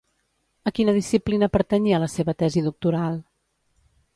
A quina disciplina pertanyia la seva tesi doctoral?